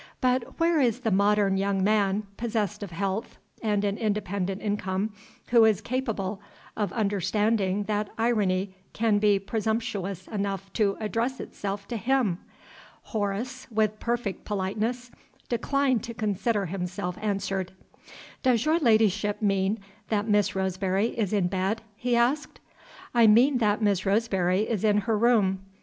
But where is the modern young man, possessed of health and an independent income, who is capable of understanding that irony can be presumptuous enough to address itself to him? Horace (with perfect politeness) declined to consider himself answered. "Does your ladyship mean that Miss Roseberry is in bed?" he asked. "I mean that Miss Roseberry is in her room.